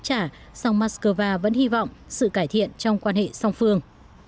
nhưng đối với các quốc trả sông moscow vẫn hy vọng sự cải thiện trong quan hệ song phương